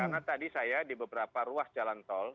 karena tadi saya di beberapa ruas jalan tol